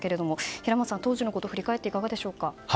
平松さん、当時のことを振り返っていかがでしょうか？